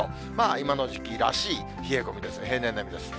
今の時期らしい冷え込みですね、平年並みです。